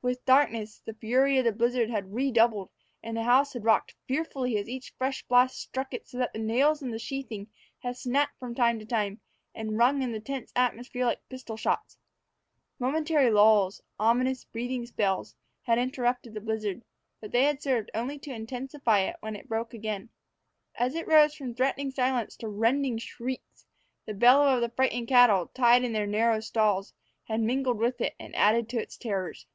With darkness, the fury of the blizzard had redoubled, and the house had rocked fearfully as each fresh blast struck it, so that the nails in the sheathing had snapped from time to time, and rung in the tense atmosphere like pistol shots. Momentary lulls ominous breathing spells had interrupted the blizzard; but they had served only to intensify it when it broke again. As it rose from threatening silence to rending shrieks, the bellowing of the frightened cattle, tied in their narrow stalls, had mingled with it, and added to its terrors.